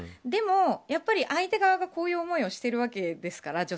でも、やっぱり相手側がこういう思いをしているわけですから。